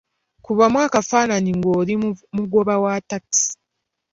Kubamu akafaananyi ng'oli mugoba wa takisi.